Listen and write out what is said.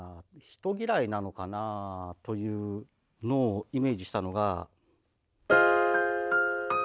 人嫌いなのかなというのをイメージしたのが。